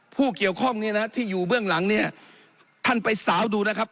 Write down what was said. ผู้เกี่ยวข้องเนี่ยนะที่อยู่เบื้องหลังเนี่ยท่านไปสาวดูนะครับ